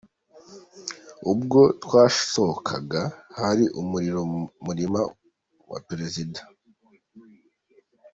Ubwo twasohokaga, hari umuriro mu murima wa perezida.